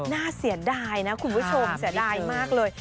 น่าเสียดายนะคุณผู้ชมเสียดายมากเลย